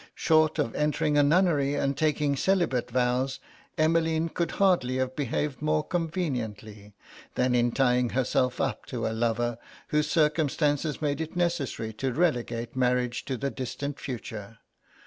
Short of entering a nunnery and taking celibate vows, Emmeline could hardly have behaved more conveniently than in tying herself up to a lover whose circumstances made it necessary to relegate marriage to the distant future.